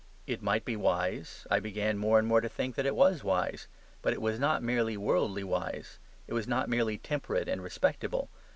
It might be wise, I began more and more to think that it was wise, but it was not merely worldly wise; it was not merely temperate and respectable.